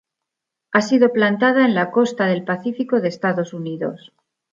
Ha sido plantada en la costa del Pacífico de Estados Unidos.